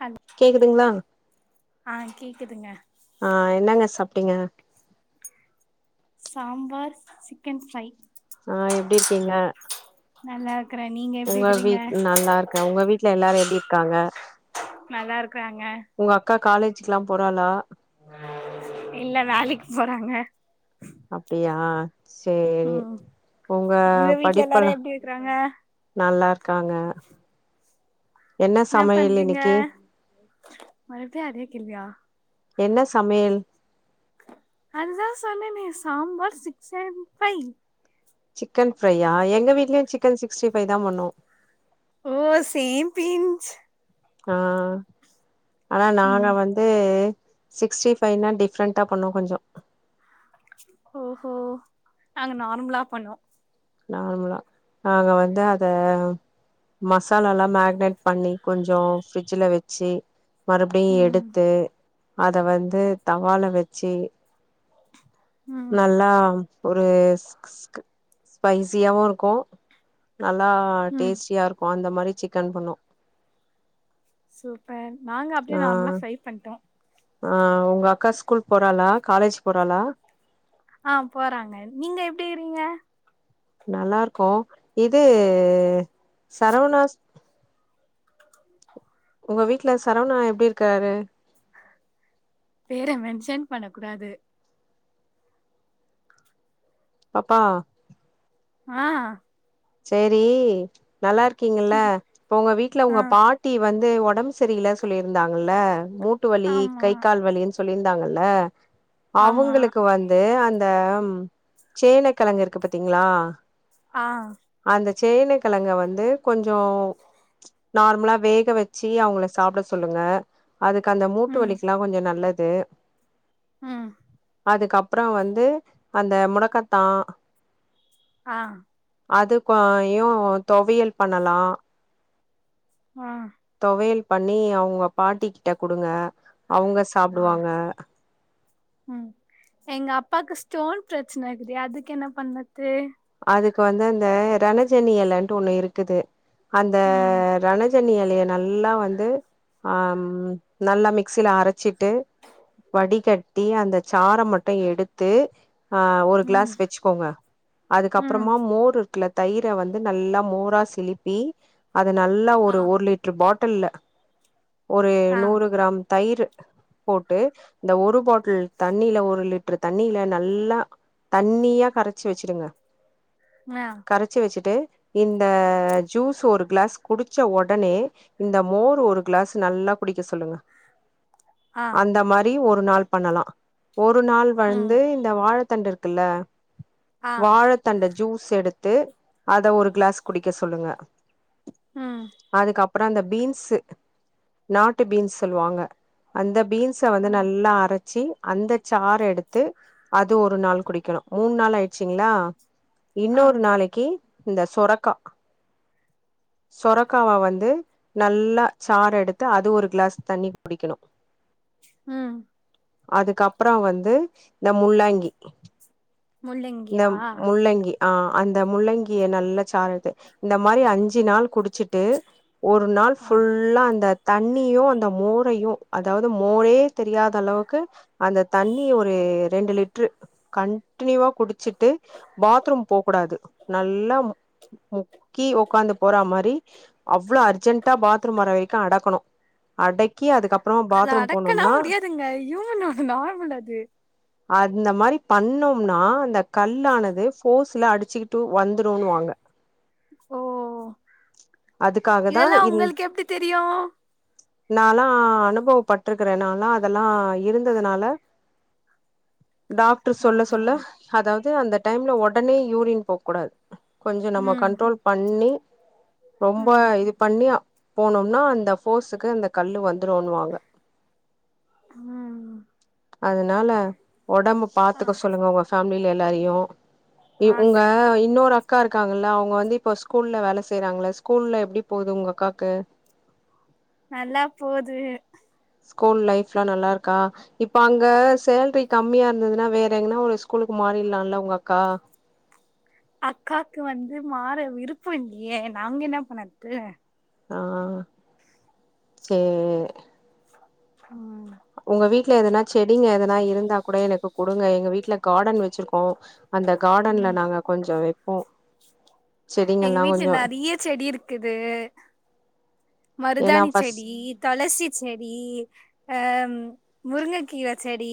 Hello கேக்குதுங்ளா ஆ கேக்குதுங்க ஆ என்னங்க சாப்டிங்க? சாம்பார் சிக்கன் ஃப்ரை ஆ எப்டி இருக்கீங்க? நல்லாருக்குறே நீங்க எப்டிருக்கிறீங்க? க உங்க வீட்ல எல்லாரு எப்டி இருக்காங்க? நல்லாருக்றாங்க உங்க அக்கா காலேஜுக்லா போறாளா? இல்ல வேலைக்கி போறாங்க அப்டியா சேரி ம் உங்க வீட்ல எல்லாரு படிப்பல்லா எப்டி இருக்கறாங்க நல்லாருக்காங்க என்ன சமையல் இன்னக்கி? மறுப்டியு அதே கேள்வியா? என்ன சமையல்? அதுதா சொன்னெனே சாம்பார் சிக்ஸன் ஃபை சிக்கன் ஃப்ரையா எங்க வீட்லயு சிக்கன் சிக்ஸ்டி ஃபை தா பண்ணோ ஓ சேம் பின்ச் ஆ ஆனா நாங்க ம் வந் து சிக்ஸ்டி ஃபைனா டிஃப்ரெண்ட்டா பண்ணுவொ கொஞ்சொ ஓஹோ நாங்க நார்மலா பண்ணோ நார்மலா நாங்க வந்து அத மசாலால்லா மேரினேட் பண்ணி கொஞ்சோ ஃப்ரிட்ஜில வச்சி மறுப்டியு ம் எடுத்து அத வந்து தவால வச்சு ம் நல்லா ஒரு‌ ஸ் ஸ் ஸ்பைசியாவு இருக்கு நல்லா ம் டேஸ்டியா இருக்கு அந்த மாரி சிக்கன் பண்ணோ சூப்பர் நாங்க அப்டியே ஆ நார்மலா ஃப்ரை பண்ட்டோ ஆ உங்க அக்கா ஸ்கூல் போறாளா காலேஜ் போறாளா? ஆ போறாங்க நீங்க எப்டிகிறீங்க நல்லாருக்கோ இது சரவணாஸ் உங்க வீட்ல சரவணா எப்டி இருக்காரு? பேர மென்ஷன் பண்ண கூடாது பாப்பா ஆ செரி நல்லா இருக்கீங்கல்ல இப்ப உங்க வீட்ல ஆ உங்க பாட் ட்டி வந்து ஒடம்பு சரியில சொல்லிருந்தாங்கல்ல மூட்டு வலி ஆமா கை கால் வலின்னு சொல்லியிருந்தாங்கல்ல ஆமா அவுங்களுக்கு வந்து அந்த சேனைக்கிழங்குருக்கு பாத்தீங்களா ஆ அந்த சேனைக்கிழங்க வந்து கொஞ்சம் நார்மலா வே க வச்சு அவங்கள சாப்பிட சொல்லுங்க அதுக்கு அந்த மூட்டு ம் வலிிக்கல்லாம் கொஞ்சம் நல்லது ம் அதுக்கப்புறம் வந்து அந்த முடக்கத்தான் ஆ அது குவாயு தொவையல் பண்ணலாம் ஆ தொவையல் பண்ணி அவுங்க பாட்டி கிட்ட கொடுங்க அவுங்க ச ஆ ம் எங்க அப்பாக்கு ஸ்டோன் பிரச்சன இதுக்குது அதுக்கு என்ன பண்ணது அதுக்கு வந்து அந்த ரணஜனியலன்ட்டு ஒன்னு இருக்குது அந்த ம் ரண ஜனி எலைய நல்லா வந்து ஆ நல்லா மிக்சியில அரைச்சிட்டு வடிகட்டி அந்த சார மட்டும் எடுத்து அ ஒரு ம் கிளாஸ் வச்சுக்கோங்க ம் அதுக்கப்புறமா மோர் இருக்குல தயிர வந்து நல்லா மோரா சிலிப்பி அது நல்லா ஆ ஒரு ஒரு லிட்டுர் பாட்டுல்ல ஒரு ஆ நூறு கிராம் தயிர் போட்டு இந்த ஒரு பாட் டுல தண்ணில ஒரு லிட்டரு தண்ணியில நல்லா தண்ணியா கரச்சு வச்சுருங்க ஆ கரச்சி வச்சுட்டு இந்த ஜூஸ் ஒரு கிளாஸ் குடிச்ச ஒடனே இந்த மோர் ஒரு கிளாஸ் நல்லா குடிக்க சொல்லுங்க ஆ அந்த மாரி ஒரு நாள் பண்ணலாம் ஒரு நாள் ம் வழ்ந்து இந்த வாழத்தண்டு இருக்குல்ல ஆ வாழத்தண்ட ஜூஸ் எடுத்து அத ஒரு கிளாஸ் குடிக்க சொல்லுங்க ம் அதுக்கப்புறம் இந்த பீன்ஸு நாட்டு பீன்ஸ் சொல்லுவாங்க அந்த பீன்ஸ ஆ வந்து நல்லா அரச்சி அந்த சார எடுத்து அது ஒரு நாள் குடிக்கணும் மூனு நாள் ஆயிச்சிங்களா ஆ இன்னொரு நாளைக்கு இந்த சொரக்கா சொரக்காவா வந்து நல்லா சார எடுத்து அது ஒரு கிளாஸ் தண்ணி குடிக்கணும் உம் அதுக்கப்புறம் வந்து இந்த முள்ளாங்கி இந்த முள்ளங்கியா முள்ளங்கி ஆ அந்த முள்ளங்கிய நல்லா சாறெத்து இந்த மாரி அஞ்சு நாள் குடிச்சு ட்டு ஒரு நாள் ஆ ஃபுல்லா அந்த தண்ணியும் அந்த மோரையும் அதாவ்து மோரே தெரியாத அளவுக்கு அந்த தண்ணி ஒரு ரெண்டு லிட்ரு கண்டினியூவா குடு ச்சுட்டு பாத்ரூம் போ கூடாது நல்லா முக்கி உக்காந்து போற மாரி அவ்ளோ அர்ஜென்டா பாத்ரூம் வர வரைக்கும் அடக்கணும் அடக்கி அதுக்கப்புறமா அத பாத்ரூம் அடக்கலா போனோம்னா முடியாதுங்க ஹியூமனோட நார்மல் அது அந்த மாரி பண்ணோம்னா அந்த கல்லானது போர்ஸ்ல அடிச்சுக்கிட்டு வந்துருன்னு வாங்க ஓ அதுக்காக தா இதெல்லா இந் உங்களுக்கு எப்டி தெரியு நாலா அனுபவ பட்டுக்குற நாலா அதெல்லா இருந்ததுனால டாக்டர் சொல்ல ஆஹா சொல்ல அதாவது அந்த டைம்ல உடனே யூரின் போ கூடாது கொஞ்சோ நம்ம ம் கண்ட்ரோல் பண்ணி ரொம்ப ம் இது பண்ணி போனோம்னா அந்த போர்ஸுக்கு அந்த கல்லு வந்துருன்ணுவாங்க ம் அதனால ஒடம்பு ஆ பாத்துக்க சொல்லுங்க உங்க ஃபேமிலில எல்லாரையு உங்க வாங்க இன்னொரு அக் கா இருக்காங்கல்ல அவங்க வந்து இப்போ ஸ்கூல்ல வேல செய்யறாங்கள ஸ்கூல்ல எப்டி ட போது உங்க அக்காக்கு நல்லா போது ஸ்கூல் லைஃப்லா நல்லாருக்கா இப்ப அங்க சேல்ரி கம்மியா இருந்ததுன்னா வேற எங்கனா ஒரு ஸ்கூலுக்கு மாறிலாம்ல உங்க அக்கா அக்காக்கு வந்து மாற விருப்பம் இல்லயே நாங்க பண்ணறது ஆ சே ம் உங்க வீட்டுல எதனா செடிங்க எதனா இருந்தா கூட எனக்கு குடுங்க எங்க வீட்ல கார்டன் வச்சிருக்கோ அந்த கார்டன்ல நாங்க கொஞ்சோ வப்போ எங்க வீட்டுல நெறைய செடி இருக்குது ஏன்னா மருதாணி ஃபஸ் செடி துளசி செடி ஆ ம் முருங்க கீர செடி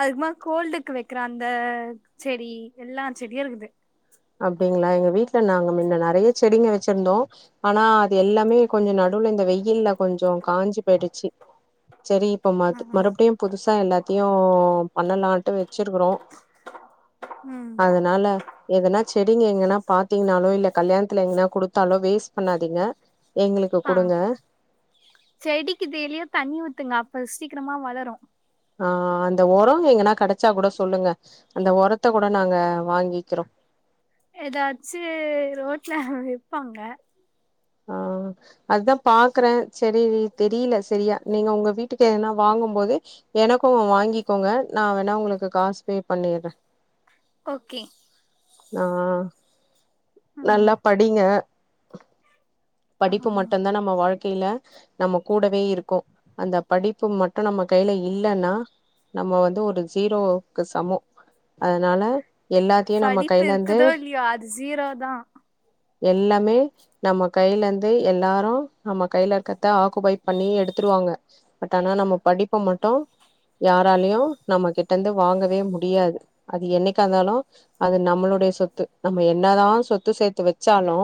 அதுக்குமா கோல்டுக்கு வைக்கிற அந்த செடி எல்லா செடியு இருக்குது அப்டிங்களா எங்க வீட்ல மின்ன நாங்க நெறைய செடிங்க வச்சிருந்தோ ஆனா அது எல்லாமே கொஞ்சோ நடுவுல இந்த வெயில்ல கொஞ்சோ காஞ்சு போயிடுச்சு செரி இப்ப மத் மறுபடியு புதுசா எல்லாத்தையு பண்ணலாம்ட்டு வச்சிருக்கறோ ம் அதனால எதனா செடிங்க எங்கன்னா பாத் தீங்கனாலோ இல்ல கல்யாணத்துல எங்கனா குடுத்தாலோ வேஸ்ட் பண்ணாதீங்க எங்களுக்கு ஆ குடுங்க செடிக்கு தெலியே தண்ணி ஊத்துங்க அப்ப சீக்கிரமா வளரு ஆ அந்த உரம் எங்கன்னா கிடைச்சா கூட சொல்லுங்க அந்த உரத்த கூட நாங்க வாங்கிக்கிறோ ஏதாச்சு ரோட்ல விப்பாங்க ஆ அதுதா பாக்குற செரி தெரியல சரியா நீங்க உங்க வீட்டுக்கு எதனா வாங்கும் போது எனக்கும் வாங்கிக்கோங்க நா வேணா உங்களுக்கு காசு பே பண்ணிட்ற ஓகே நா ம் நல்லா படிங்க ஆ படிப்பு மட்டுதா நம்ம வாழ்க்கையில நம்ம கூடவே இருக்கு அந்த படிப்பு மட் டு நம்ம கையில இல்லைன்னா நம்ம வந்து ஒரு ஜீரோக்கு சமோ அதுனால எல்லாத்தையு நம்ம படிப்பு கையிலருந்து இருக்குதோ இல்லையோ அது ஜீரோ தா எல்லாமே நம்ம கையிலருந்து எல்லாரு நம்ம கையிலருக்கிறத ஆக்குபை பண்ணி எடுத்துருவாங்க பட் ஆனா நம்ம படிப்ப மட்டு யாராலயும் நம்ம கிட்டந்து வாங்கவே முடியாது அது என்னைக்க இருந்தாலு அது நம்மளுடைய சொத்து நம்ம என்னதா சொத்து சேத்து வச்சாலு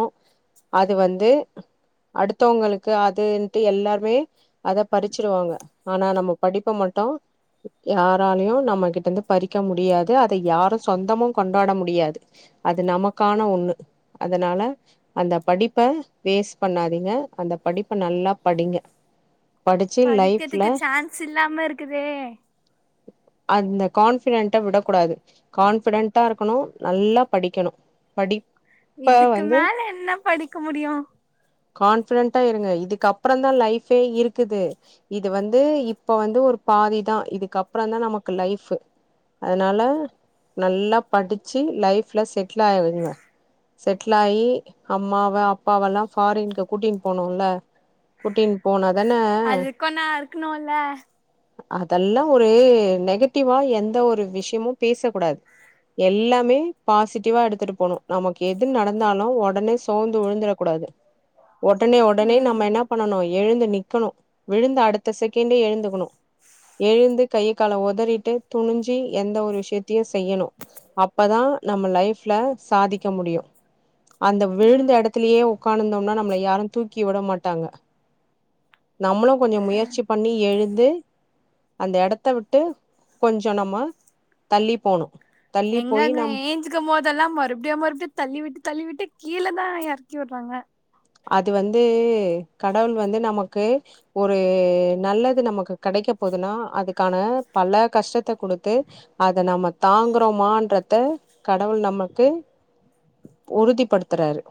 அது வந்து அடுத்தவங்களுக்கு அதுன்ட்டு எல்லாருமே அத பறிச்சிடுவாங்க ஆனா நம்ம படிப்ப மட்டு யாராலையு நம்மகிட்ட இருந்து பறிக்க முடியாது அத யாரு சொந்தமு கொண்டாட முடியாது அது நமக்கான ஒன்னு அதனால அந்த படி ப்ப வேஸ்ட் பண்ணாதீங்க அந்த படிப்ப நல்லா படிங்க படிச்சு லைஃப்ல சில்லாம இருக்குதே அந்த கான்ஃபிடென்ட்ட விடக் கூடாது கான்ஃபிடென்ட்டா இருக்கணு நல்ல படிக்கணு படி இதுக்கு மேல என்ன படிக்க முடியு கான்ஃபிடென்ட்டா இருங்க இதுக்கு அப்றந்தா லைஃபே இருக்குது இது வந்து இப்ப வந்து ஒரு பாதிதா இதுக்கப்றந்தா நமக்கு லைஃப் அதனால நல்லா படிச்சு லைஃப்ல செட்டில் ஆய்ருங்க செட்லாயி அம்மாவ அப்பாவெல்லா ஃபாரின்க்கு கூட்டிட்டு போனுல்ல கூட்டின் போனாதானே அதுக்கு நா இருக்கணுல அதெல்லா ஒரு நெ நெகட்டிவா எந்த ஒரு விஷயமு பேசக்கூடாது எல்லாமே பாசிட்டிவா எடுத்துட்டு போனூ நமக்கு எது நடந்தாலு ஒடனே சோந்து உழுந்துரக் கூடாது ஒடனே ஒடனே ம் நம்ம என்ன பண்ணனு எழுந்து நிக்கணு விழுந்து அடுத்த செகண்டே எழுந்துக்கணு எழுந்து கையக் கால ஒதறிட்டு துணிஞ்சு எந்த ஒரு விஷயத்தையு செய்யணு அப்பதா நம்ம லைஃப்லாங் சாதிக்க முடியு அந்த விழுந்த எடத்துலயே உக்காந்ருந்தம்னா நம்மள யாரு தூக்கி விட மாட்டாங்க நம்மளு கொஞ்சொ முயற்சி பண்ணி எழுந்து அந்த எடத்த விட்டு கொஞ்சொ நம்ம தள்ளி போணு தள்ளி போய் எங்கங்க நம்ம ஏ ஞ்சிக்கும் போதெல்லா மறுபடியு மறுபடியு தள்ளி விட்டு தள்ளி விட்டு கீழே தா எறக்கி விடுறாங்க அது வந்து கடவுள் வந்து நமக்கு ஒரு நல்லது நமக்கு கெடைக்க போதுன்னா அதுக்கான பல கஷ்டத்த குடுத்து அத நம்ம தாங்குறோமான்றத்த கடவுள் நமக்கு உறுதிப்படுத்துறாரு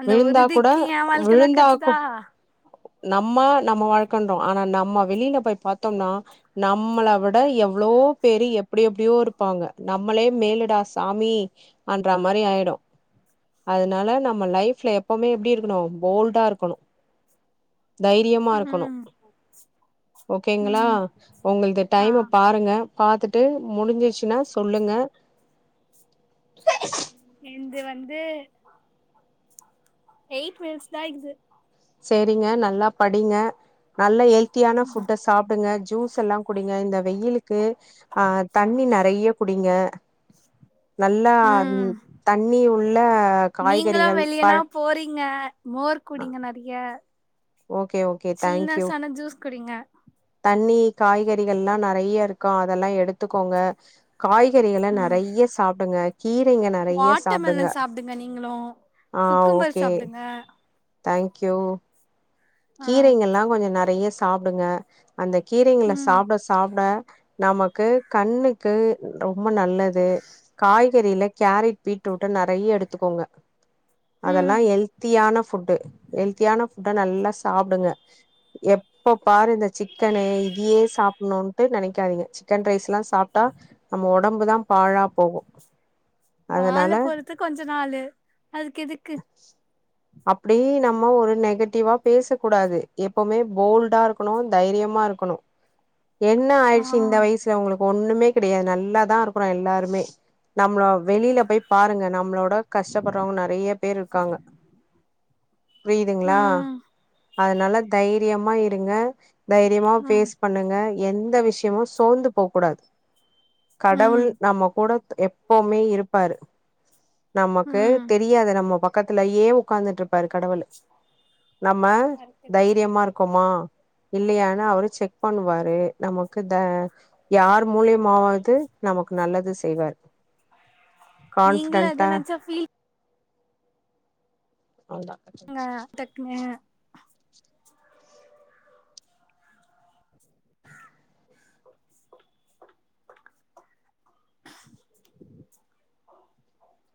அந்த வுழுந்தா கூட உறுதிக்கு ஏ வாழ்க்கதா வுழுந்தா கூ கெச்சுதா நம்ம நம்ம வாழ்க்கன்றோ ஆனா நம்ம வெளில போய் பாத்தோம்னா நம்மள விட எவ்ளோவோ பேரு எப்டி எப்டியோ இருப்பாங்க நம்மளே மேலுடா சாமி அன்ற மாரி ஆயிடு அதனால நம்ம லைஃப் ப்ல எப்பவுமே எப்டி இருக்கணு போல்டா இருக்கணு தைரியமா இருக்கணு ம் ஓகேங்ளா ம் ஒங்களுக்கு ஆ டைம பாருங்க பாத்துட்டு முடிஞ்சிருச்சுன்னா சொல்லுங்க என்து வந்து எயிட் மினிஸ் தா ஆயிக்குது சேரிங்க நல்லா படிங்க நல்ல ஹெல்த்தியான ஃபுட்டா சாப் சாப்டுங்க ஜூஸ் எல்லா குடிங்க இந்த வெயிலுக்கு ஆ தண்ணி நெறைய குடிங்க நல்லா ம் தண்ணி உள்ள நீங்களு காய்கறிகள் ப வெளியனா போறீங்க மோர் குடிங்க நெறைய ஓகே ஓகே தேங்க்யூ ஸில்னசான ஜூஸ் குடிங்க தண்ணி காய்கறிகள்லா நெறைய இருக்கு அதெல்லா எடுத்துக்கோங்க காய்கறிகள ம் நெறைய சாப்டுங்க கீரைங்க நெறைய சாப்டு ல்ல சாப்டுங்க நீங்களு ஆ குக்கும்பர் ஓகே சாப்டுங்க தேங்க் யூ ஆ கீரைங்கல்லா கொஞ்சோ நெறைய சாப்டுங்க அந்த கீரைங்கள ம் சாப்ட சாப்ட நமக்கு கண்ணுக்கு ரொம்ப நல்லது காய்கறில கேரட் பீட்ரூட்ட நறைய எடுத்துக்கோங்க ம் அதெல்லாம் ஹெல்த்தியான ஃபுட்டு ஹெல்த்தியான ஃபுட்ட நல்லா சாப்டுங்க எப் எப்ப பாரு இந்த சிக்கனு இதயே சாப்புணும்ட்டு நனைக்காதீங்க சிக்கன் ரைஸ்ல்லா சாப் ட்டா நம்ப ஒடம்புதான் பாழா போகும் அதனால த்துக் கொஞ்ச நாளு அதுக்கு எதுக்கு அப்படி நம்ம ஒரு நெகட்டிவா பேசக்க கூடாது எப்பவுமே போல்ட் டா இருக்கணும் தைரியமா இருக்கணும் என்ன ஆ ஆயிடுச்சு இந்த வயசுல உங்களுக்கு ஒண்ணுமே கிடையாது நல்லாதான் இருக்குறோம் எல்லாருமே நம்மளும் வெளில போய் பாருங்க நம்பளோட கஷ்டப்படுறவங்க நறைய பேர் இருக்காங்க புரியுதுங்ளா ம் அதனால தைரியமா இருங்க தைரியமா ம் பேஸ் பண்ணுங்க எந்த விஷயமு சோந்து போக கூடாது கடவுள் ம் நம்ம கூட எப்பவுமே இருப்பாரு நமக்கு ம் தெரியாது நம்ம பக்கத்துலயே உகாந்துட்ருப்பாரு கடவுளு நம்ம கரெக்ட்டுதா தைரியமா இருக்கோமா இல்லையான்னு அவரு செக் பண்ணுவாரு நமக்கு த யார் மூலியமாவது நமக்கு நல்லது செய்வார் நீங்களு அத கான்ஃபிடென்டா நெனச்சா ஃபீல் அதா ங்க டக்குனு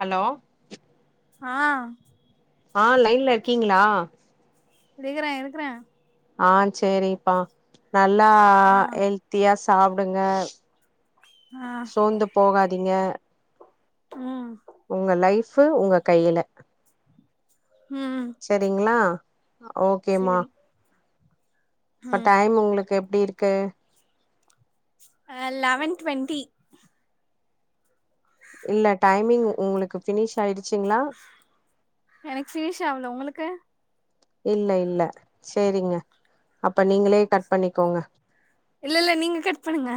ஹலோ ஆ ஆ லைன்ல இருக்கிங்ளா இருக்றன் இருக்றேன் ஆன் சேரிப்பா நல்லா ஆ எல்த்தியா சாப்டுங்க ஆ சோந்து போகாதீங்க ம் உங்க லைஃப் உங்க கையில ம் செரிங்ளா ஓகே மா சேரி இப்ப ம் டைம் உங்ளுக்கு எப்டி இருக்கு அ லவன் டுவெண்ட்டி இல்ல டைமிங் உங்களுக்கு பினிஷ் ஆயிடுச்சுங்ளா எனக்கு ஃபினிஷ் ஆவள உங்களுக்கு இல்ல இல்ல செரிங்க அப்ப நீங்களே கட் பண்ணிக்கோங்க இல்ல இல்ல நீங்க கட் பண்ணுங்க